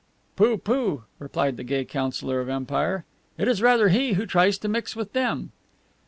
"Pooh, pooh," replied the gay Councilor of Empire, "it is rather he who tries to mix with them."